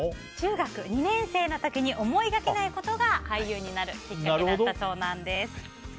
中学２年生の時に思いがけないことが俳優になるきっかけだったそうなんです。